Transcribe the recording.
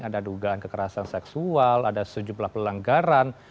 ada dugaan kekerasan seksual ada sejumlah pelanggaran